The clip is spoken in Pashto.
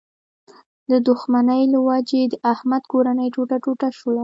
د دوښمنۍ له و جې د احمد کورنۍ ټوټه ټوټه شوله.